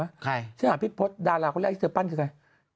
ค่ะชื่อเขาเป็นคนปั้นมา